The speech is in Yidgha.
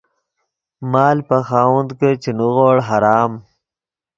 مال پے خاوند کہ چے نیغوڑ حرام